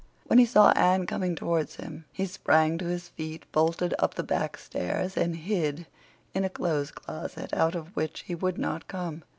When he saw Anne coming towards him he sprang to his feet, bolted up the back stairs, and hid in a clothes closet, out of which he would not come.